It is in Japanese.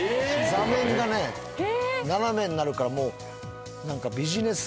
座面が斜めになるから何か。